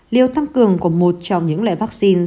liều tăng cường của một trong những loại vaccine